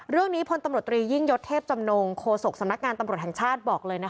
เรื่องนี้พลตำรวจตรียิ่งยศเทพจำนงโคศกสำนักงานตำรวจแห่งชาติบอกเลย